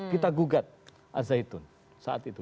kita gugat al zaitun saat itu